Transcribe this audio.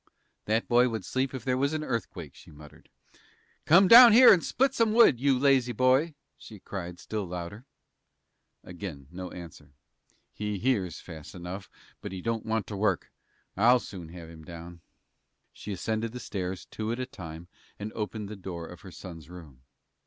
"That boy would sleep if there was an earthquake," she muttered. "Come down here and split some wood, you lazy boy!" she cried, still louder. Again no answer. "He hears, fast enough, but he don't want to work. I'll soon have him down." She ascended the stairs, two steps at a time, and opened the door of her son's room.